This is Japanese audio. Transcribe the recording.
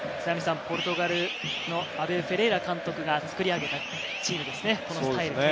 ポルトガルのフェレイラ監督が作り上げたチームですね。